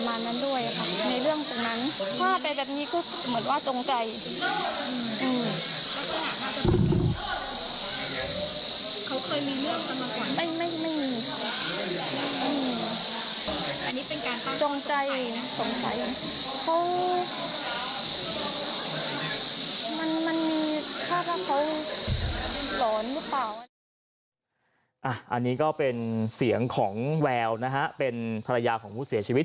อันนี้ก็เป็นเสียงของแววนะฮะเป็นภรรยาของผู้เสียชีวิต